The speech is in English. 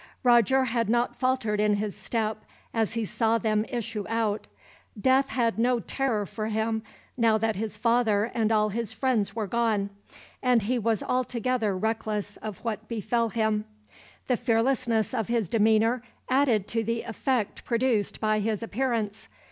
Roger had not faltered in his step, as he saw them issue out. Death had no terror for him, now his father and all his friends were gone; and he was altogether reckless of what befell him. The fearlessness of his demeanor added to the effect produced by his appearance.